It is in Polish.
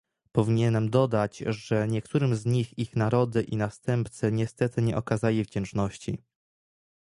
Powinienem dodać, że niektórym z nich ich narody i następcy niestety nie okazali wdzięczności